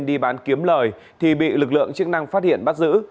đi bán kiếm lời thì bị lực lượng chức năng phát hiện bắt giữ